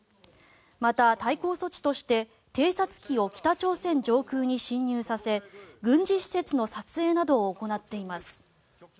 また、対抗措置として偵察機を北朝鮮上空に侵入させ軍事施設の撮影などを行っています。